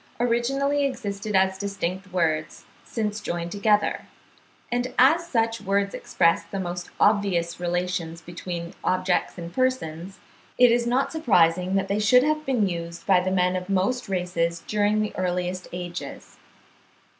originally existed as distinct words, since joined together; and as such words express the most obvious relations between objects and persons, it is not surprising that they should have been used by the men of most races during the earliest ages.